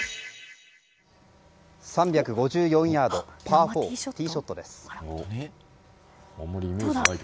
３５４ヤードパー４、ティーショットです。